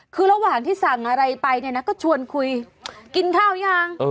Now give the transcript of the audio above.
คือระหว่างที่สั่งอะไรไปเนี่ยนะก็ชวนคุยกินข้าวยัง